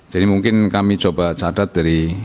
jadi mungkin kami coba cadat dari